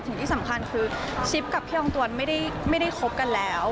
สิ่งที่สำคัญคือชิปกับพี่อองตวนไม่ได้คบกันแล้ว